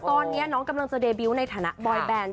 ตอนนี้น้องกำลังจะเดบิวต์ในฐานะบอยแบน